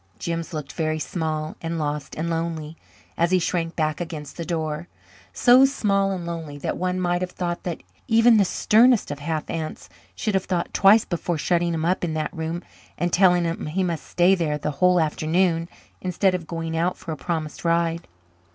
Jims looked very small and lost and lonely as he shrank back against the door so small and lonely that one might have thought that even the sternest of half aunts should have thought twice before shutting him up in that room and telling him he must stay there the whole afternoon instead of going out for a promised ride.